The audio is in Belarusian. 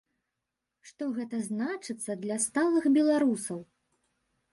Што гэта значыцца для сталых беларусаў?